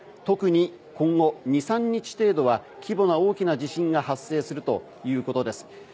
特に今後２３日程度は規模が大きな地震が発生するということです。